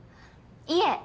いえ。